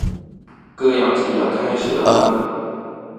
歌謠祭要開始了嗎